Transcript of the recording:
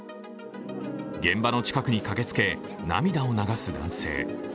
現場の近くに駆けつけ涙を流す男性。